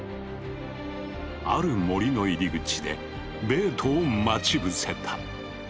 ある森の入り口でベートを待ち伏せた。